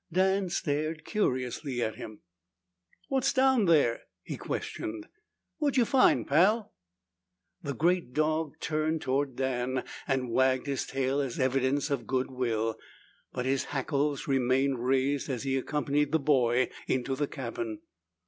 Dan stared curiously at him. "What's down there?" he questioned. "What'd you find, Pal?" The great dog turned toward Dan and wagged his tail as evidence of good will. But his hackles remained raised as he accompanied the boy into the cabin.